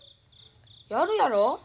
やるやろ？